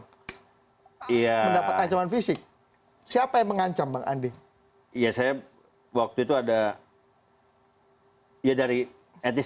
oh iya mendapat ancaman fisik siapa yang mengancam bang andi ya saya waktu itu ada ya dari etnis